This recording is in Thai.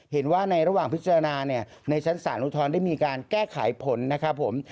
เห็นว่าในระหว่างพิจารณาเนี่ยในชั้นศาลอุทธรณ์ได้มีการแก้ไขผลนะครับผม